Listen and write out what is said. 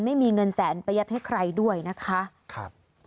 ไม่มีเงินแสนประยัดให้ใครด้วยนะคะ